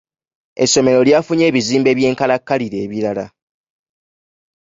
Essomero lyafunye ebizimbe by'enkalakkalira ebirala.